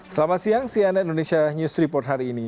selamat siang cnn indonesia news report hari ini